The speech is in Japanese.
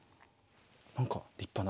何か立派な。